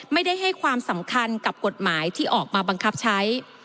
ไม่ได้ให้ความสำคัญกับกฎหมายที่ออกมาบังคับใช้